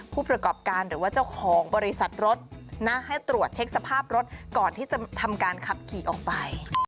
ผู้ประกอบการหรือว่าเจ้าของบริษัทรถนะให้ตรวจเช็คสภาพรถก่อนที่จะทำการขับขี่ออกไป